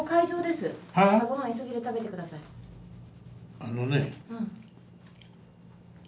あのね。